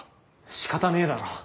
仕方ねえだろ。